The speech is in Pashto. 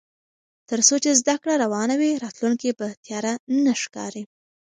تر څو چې زده کړه روانه وي، راتلونکی به تیاره نه ښکاري.